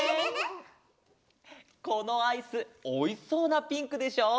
このアイスおいしそうなピンクでしょ？